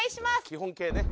基本形ね。